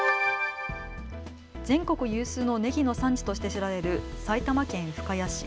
全国有数のねぎの産地として知られる埼玉県深谷市。